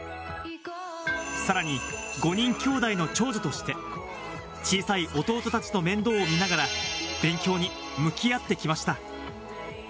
さらに５人きょうだいの長女として、小さい弟たちの面倒も見ながら、勉強に向き合ってきました。